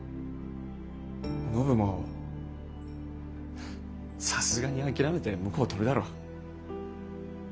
お信もさすがに諦めて婿を取るだろ。